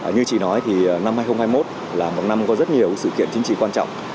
như chị nói thì năm hai nghìn hai mươi một là một năm có rất nhiều sự kiện chính trị quan trọng